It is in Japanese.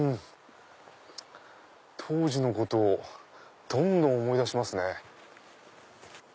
当時のことをどんどん思い出しますね。